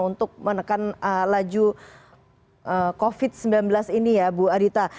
untuk menekan laju covid sembilan belas ini ya bu adita